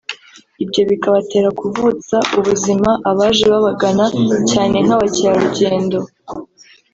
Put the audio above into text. ibyo bikabatera kuvutsa ubuzima abaje babagana cyane nk’abacyerarugendo